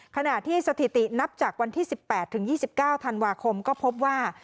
ขณะที่สถิตินับจากวันที่๑๘ถึง๒๙ธันวาคมก็พบว่า